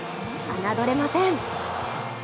あなどれません。